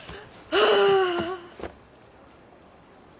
はあ。